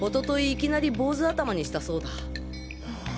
いきなり坊主頭にしたそうだ。